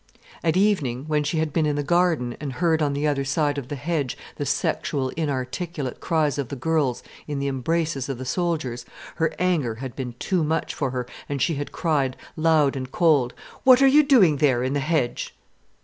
At evening, when she had been in the garden, and heard on the other side of the hedge the sexual inarticulate cries of the girls in the embraces of the soldiers, her anger had been too much for her, and she had cried, loud and cold: "What are you doing there, in the hedge?"